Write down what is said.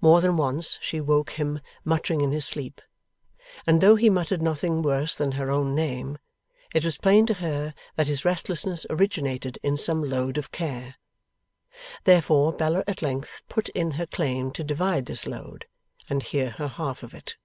More than once, she awoke him muttering in his sleep; and, though he muttered nothing worse than her own name, it was plain to her that his restlessness originated in some load of care. Therefore, Bella at length put in her claim to divide this load, and hear her half of it.